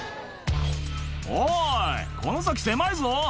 「おいこの先狭いぞ」